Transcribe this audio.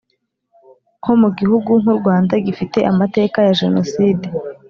nko mu gihugu nk’u Rwanda gifite amateka ya Jenoside